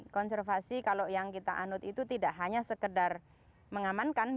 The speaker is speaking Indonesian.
konservasi kalau yang kita anut itu tidak hanya sekedar mengamankan